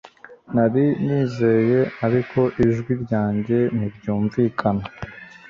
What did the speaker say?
nari nizeye! ariko ijwi ryanjye ntiryumvikana